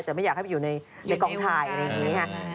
แต่ไม่อยากให้อยู่ในกล่องไทยอะไรอย่างนี้ฮะ